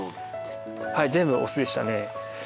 はい全部オスでしたね。